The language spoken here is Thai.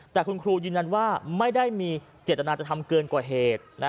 แต่คุณครูยืนยันว่าไม่ได้มีเจตนาจะทำเกินกว่าเหตุ